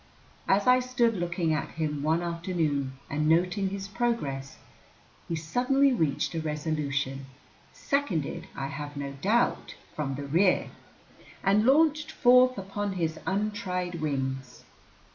As I stood looking at him one afternoon and noting his progress, he suddenly reached a resolution, seconded, I have no doubt, from the rear, and launched forth upon his untried wings.